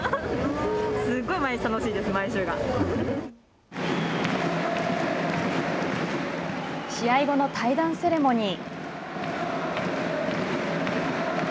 すごい毎日楽しいです試合後の退団セレモニー。